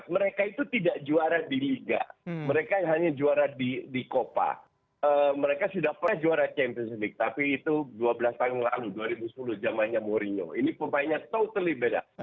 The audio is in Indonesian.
mereka itu tidak juara di liga mereka hanya juara di copa mereka sudah pernah juara champion week tapi itu dua belas tahun lalu dua ribu sepuluh jamannya mourinho ini pemainnya totally beda